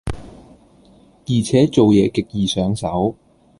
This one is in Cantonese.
而且做嘢極易上手